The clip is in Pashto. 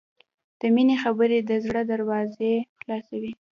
د مینې خبرې د زړه دروازې خلاصوي.